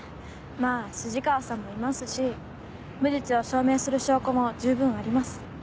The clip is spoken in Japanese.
まぁ筋川さんもいますし無実を証明する証拠も十分あります。